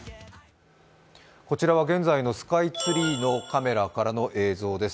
こちらは現在のスカイツリーからの映像です。